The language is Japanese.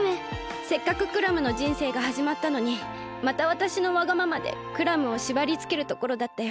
せっかくクラムのじんせいがはじまったのにまたわたしのわがままでクラムをしばりつけるところだったよ。